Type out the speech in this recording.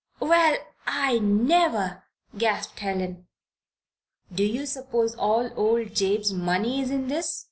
"Well, I never!" gasped Helen. "Do you suppose all old Jabe's money is in this?"